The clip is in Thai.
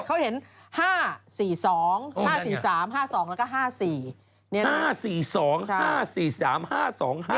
เขาเห็น๕๔๒๕๔๓๕๒แล้วก็๕๔